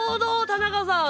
田中さんあ